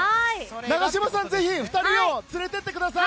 永島さん、ぜひ２人を連れて行ってください。